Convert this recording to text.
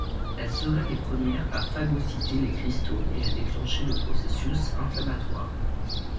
Elles seraient les premières à phagocyter les cristaux et à déclencher le processus inflammatoire.